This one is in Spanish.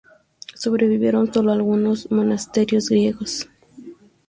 Sobrevivieron solo algunos monasterios griegos.